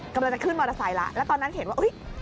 กำลังจะขึ้นมอเตอร์ไซค์แล้วแล้วตอนนั้นเห็นว่าอุ๊ย